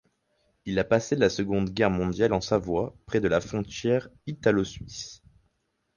Il a passé la Seconde Guerre mondiale en Savoie, près de la frontière italo-suisse.